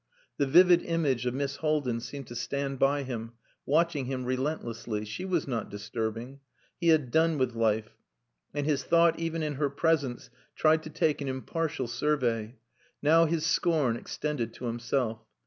The vivid image of Miss Haldin seemed to stand by him, watching him relentlessly. She was not disturbing. He had done with life, and his thought even in her presence tried to take an impartial survey. Now his scorn extended to himself.